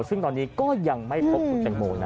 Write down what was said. ซึ่งตอนนี้ก็ยังไม่พบคุณแตงโมนะ